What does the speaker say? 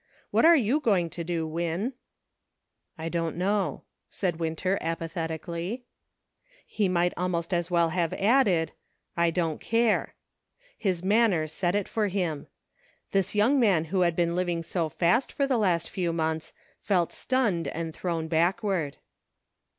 What are you going to do, Win ?"" I don't know," said Winter, apathetically. He might almost as well have added, " I don't l80 "ORDERS TO MOVE." care." His manner said it for him. This young man who had been living so fast for the last few months, felt stunned and thrown backward.